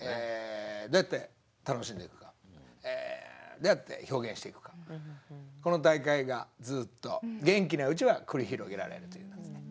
どうやって楽しんでいくかどうやって表現していくかこの大会がずっと元気なうちは繰り広げられるというですね。